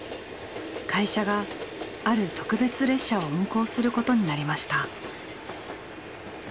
会社がある特別列車を運行することになりました。